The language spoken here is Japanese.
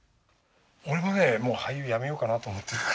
俺もねもう俳優やめようかなと思ってるから。